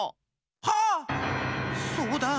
はっそうだ！